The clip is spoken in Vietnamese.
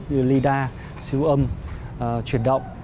như lidar siêu âm chuyển động